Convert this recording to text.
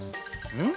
うん？